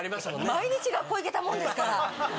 毎日学校行けたもんですから。